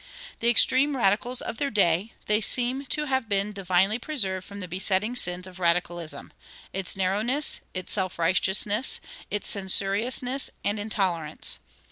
The extreme radicals of their day, they seem to have been divinely preserved from the besetting sins of radicalism its narrowness, its self righteousness, its censoriousness and intolerance.